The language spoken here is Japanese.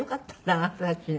あなたたちね。